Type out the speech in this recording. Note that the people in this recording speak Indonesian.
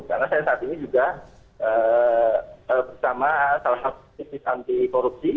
karena saya saat ini juga bersama salah satu aktivis anti korupsi